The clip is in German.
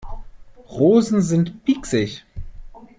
Rosen sind pieksig.